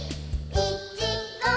「いちご！」